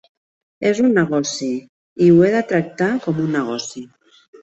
És un negoci, i ho he de tractar com un negoci.